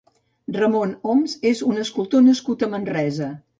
Ramon Oms és un escultor nascut a Manresa.